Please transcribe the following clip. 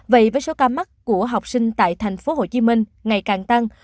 vậy với số ca mắc của học sinh tại tp hcm ngày càng tăng